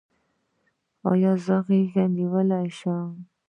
ایا زه غیږه نیولی شم؟